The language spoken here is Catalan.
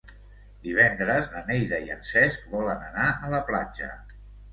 Divendres na Neida i en Cesc volen anar a la platja.